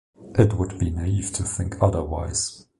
It would be naive to think otherwise.